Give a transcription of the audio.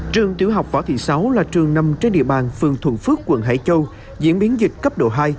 trường tiểu học võ thị sáu là trường nằm trên địa bàn phường thuận phước quận hải châu diễn biến dịch cấp độ hai